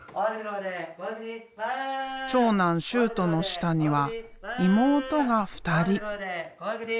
長男修杜の下には妹が二人。